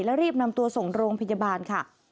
แล้วรีบนำตัวส่งโรงพยาบาลค่ะ